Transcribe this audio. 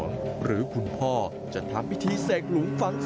เมื่อฝังแล้วเขาก็จะนำไม้กางเขนมาปัก